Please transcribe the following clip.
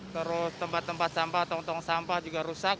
terus tempat tempat sampah tong tong sampah juga rusak